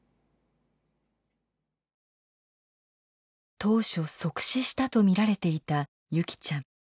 当初即死したと見られていた優希ちゃん。